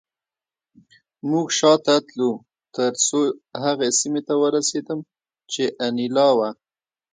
موږ شاته تلو ترڅو هغې سیمې ته ورسېدم چې انیلا وه